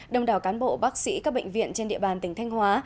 đồng đảo cán bộ bác sĩ các bệnh viện trên địa bàn tỉnh thanh hóa